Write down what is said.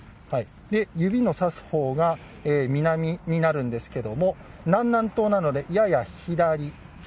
指の指す方が南になるんですけれども南南東なので、やや左。